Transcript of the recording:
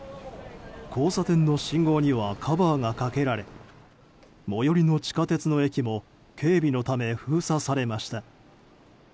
交差点の信号にはカバーがかけられ最寄りの地下鉄の駅も警備のため封鎖されました。